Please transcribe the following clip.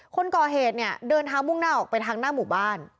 คนก่อเหตุเนี่ยเดินทางมุ่งหน้าออกไปทางหน้าหมู่บ้าน